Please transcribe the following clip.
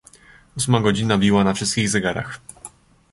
"Ósma godzina biła na wszystkich zegarach."